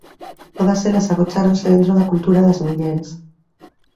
Todas elas agocháronse dentro da cultura das mulleres.